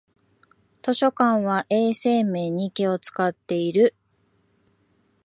図書館は衛生面に気をつかっている